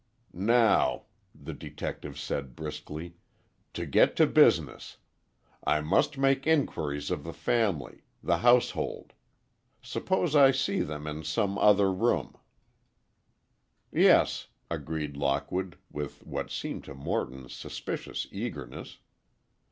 "Now," the detective said, briskly, "to get to business, I must make inquiries of the family—the household. Suppose I see them in some other room—" "Yes," agreed Lockwood, with what seemed to Morton suspicious eagerness.